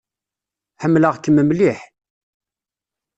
Ḥemmleɣ-kem mliḥ.